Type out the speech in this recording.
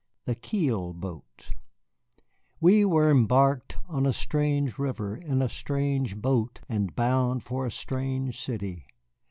THE KEEL BOAT We were embarked on a strange river, in a strange boat, and bound for a strange city.